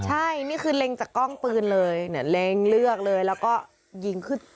ใช่นี่คือเร่งจากกล้องปืนเลยเดี๋ยวเร่งเลือกเลยแลรู้สึก